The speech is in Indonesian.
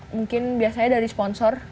mungkin biasanya dari sponsor